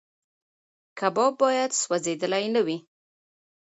کباب باید سوځېدلی نه وي.